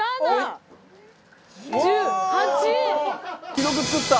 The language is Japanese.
「記録作った！」